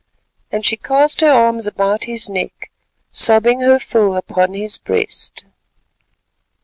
And she cast her arms about his neck, sobbing her fill upon his breast.